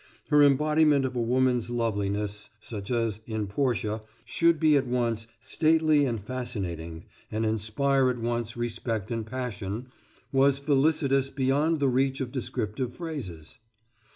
Her embodiment of a woman's loveliness, such as, in Portia, should he at once stately and fascinating and inspire at once respect and passion, was felicitous beyond the reach of descriptive phrases."